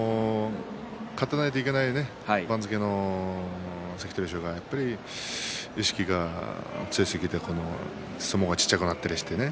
勝たないといけない番付の関取衆がやっぱり意識が強すぎて相撲が小さくなったりしてね